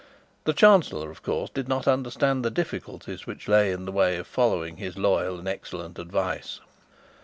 The Chancellor, of course, did not understand the difficulties which lay in the way of following his loyal and excellent advice.